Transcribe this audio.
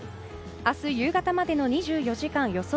明日夕方までの２４時間予想